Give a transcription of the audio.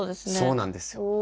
そうなんですよ。